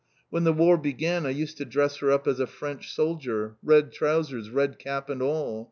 When the War began I used to dress her up as a French solider, red trousers, red cap and all!